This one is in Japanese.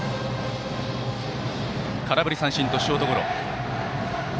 空振り三振とショートゴロ。